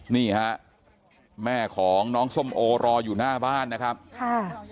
นี่ฮะแม่ของน้องส้มโอรออยู่หน้าบ้านนะครับค่ะ